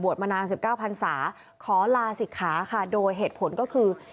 มานาน๑๙พันศาขอลาศิกขาค่ะโดยเหตุผลก็คือ